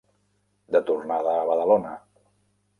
De tornada a Badalona.